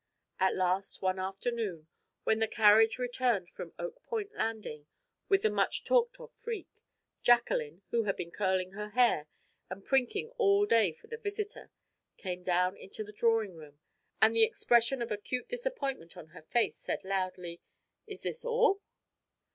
At last one afternoon, when the carriage returned from Oak Point Landing with the much talked of Freke, Jacqueline, who had been curling her hair and prinking all day for the visitor, came down into the drawing room, and the expression of acute disappointment on her face said loudly: "Is this all?"